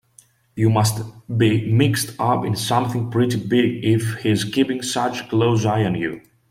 You must be mixed up in something pretty big if he's keeping such a close eye on you.